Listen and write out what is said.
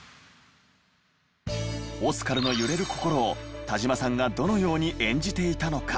オスカルの揺れる心を田島さんがどのように演じていたのか？